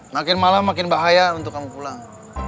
makin malam makin bahaya untuk kamu pulang